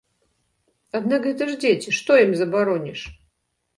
Аднак гэта ж дзеці, што ім забароніш?